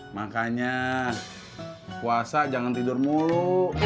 makanya puasa jangan tidur mulu